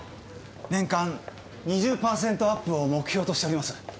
年間２０％アップを目標としております